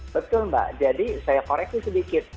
betul mbak jadi saya koreksi sedikit